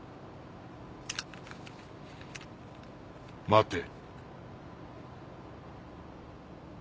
待て。